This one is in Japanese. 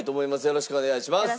よろしくお願いします。